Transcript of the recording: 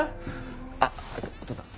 あっお義父さん